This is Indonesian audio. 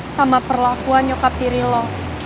sama perlakuan nyokap tiri lo